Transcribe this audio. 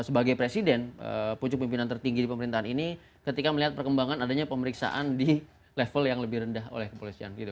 sebagai presiden pucuk pimpinan tertinggi di pemerintahan ini ketika melihat perkembangan adanya pemeriksaan di level yang lebih rendah oleh kepolisian